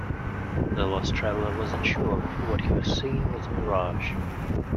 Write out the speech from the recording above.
The lost traveller was unsure if what he was seeing was a mirage.